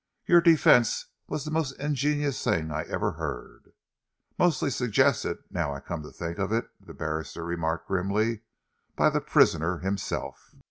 "Your defence was the most ingenious thing I ever heard." "Mostly suggested, now I come to think of it," the barrister remarked grimly, "by the prisoner himself."